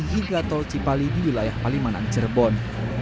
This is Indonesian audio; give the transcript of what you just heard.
hingga tol cipali di wilayah palimanan cirebon